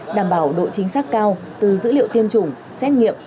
đảm bảo độ chính xác cao từ dữ liệu tiêm chủng xét nghiệm